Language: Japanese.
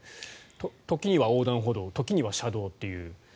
時には横断歩道時には車道っていう。